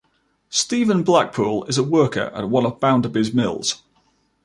Stephen Blackpool is a worker at one of Bounderby's mills.